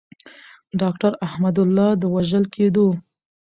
داکتر احمد الله د وژل کیدو.